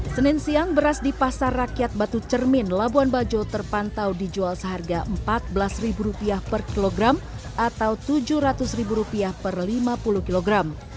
senin siang beras di pasar rakyat batu cermin labuan bajo terpantau dijual seharga rp empat belas per kilogram atau rp tujuh ratus per lima puluh kilogram